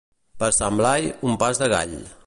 Per Sant Blai, un pas de gall.